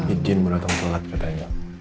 izin menetapkan lat katanya